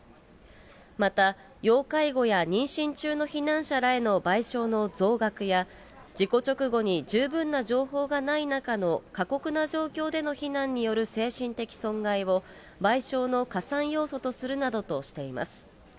また、要介護や妊娠中の避難者らへの賠償の増額や、事故直後に十分な情報がない中の過酷な状況での避難による精神的損害を、賠償の加算要素とするなどとしています。